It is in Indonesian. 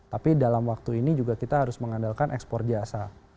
tapi dalam waktu ini juga kita harus mengandalkan ekspor jasa